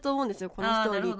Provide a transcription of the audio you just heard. このストーリーって。